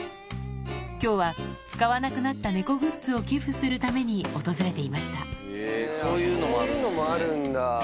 今日は使わなくなった猫グッズを寄付するために訪れていましたそういうのもあるんだ。